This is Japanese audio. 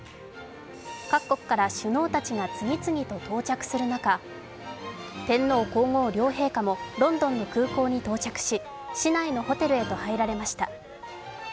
各国から首脳たちが次々と到着する中、天皇皇后両陛下もロンドンの空港に到着し、市内のホテルへと入られました。